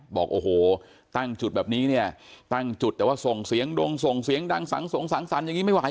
บอกโอ้โหตั้งจุดแบบนี้เนี่ยตั้งจุดแต่ว่าส่งเสียงดงส่งเสียงดังสังสงสังสรรค์อย่างนี้ไม่ไหว